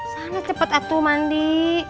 sangat cepet atuh mandi